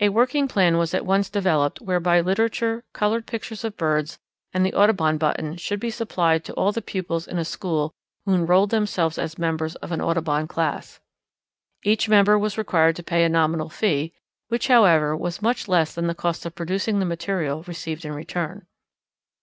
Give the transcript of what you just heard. A working plan was at once developed whereby literature, coloured pictures of birds, and the Audubon button should be supplied to all the pupils in a school who enrolled themselves as members of an Audubon Class. Each member was required to pay a nominal fee, which, however, was much less than the cost of producing the material received in return.